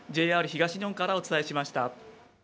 ＪＲ東日本からお伝えしました。